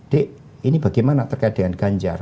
dek ini bagaimana terkait dengan ganjar